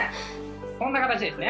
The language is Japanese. こんな形ですね」。